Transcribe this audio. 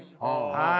はい。